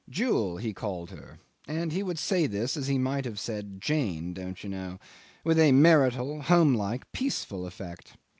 Jewel he called her; and he would say this as he might have said "Jane," don't you know with a marital, homelike, peaceful effect.